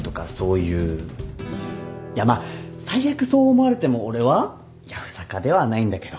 いやまあ最悪そう思われても俺はやぶさかではないんだけど。